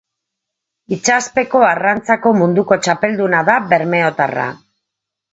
Itsaspeko arrantzako munduko txapelduna da bermeotarra.